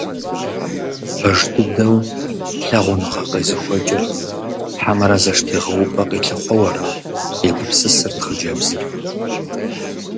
Пэж дыдэу лъагъуныгъэ къезыхуэкӀыр, хьэмэрэ зэштегъэупӀэ къилъыхъуэу ара? – егупсысырт хъыджэбзыр.